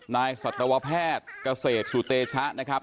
สัตวแพทย์เกษตรสุเตชะนะครับ